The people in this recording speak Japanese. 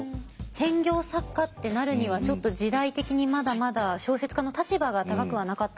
専業作家ってなるにはちょっと時代的にまだまだ小説家の立場が高くはなかったんですね。